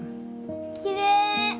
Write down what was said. きれい。